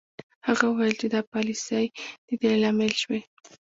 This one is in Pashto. هغه وویل چې دا پالیسۍ د دې لامل شوې